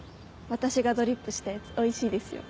私がドリップしたやつおいしいですよ。